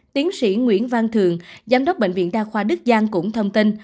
tiến sĩ nguyễn văn thường giám đốc bệnh viện đa khoa đức giang cũng thông tin